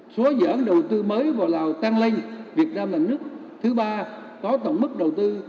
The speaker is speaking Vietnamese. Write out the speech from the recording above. số dự án đầu tư mới vào lào tăng lên việt nam là nước thứ ba có tổng mức đầu tư